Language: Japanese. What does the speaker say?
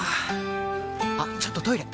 あっちょっとトイレ！